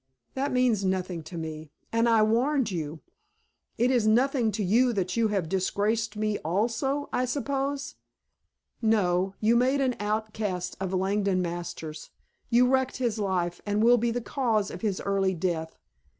"That means nothing to me. And I warned you." "It is nothing to you that you have disgraced me also, I suppose?" "No. You made an outcast of Langdon Masters. You wrecked his life and will be the cause of his early death.